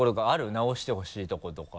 直してほしいとことか。